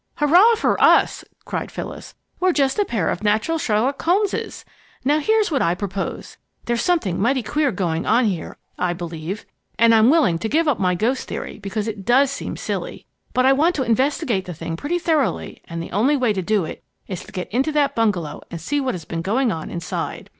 "Hurrah for us!" cried Phyllis. "We're just a pair of natural Sherlock Holmeses! Now, here's what I propose. There's something mighty queer going on here, I believe. And I'm willing to give up my ghost theory, because it does seem silly. But I want to investigate the thing pretty thoroughly, and the only way to do it is to get into that bungalow and see what has been going on inside."